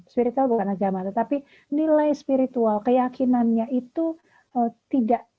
spiritual bukan agama tetapi nilai spiritual keyakinannya itu tidak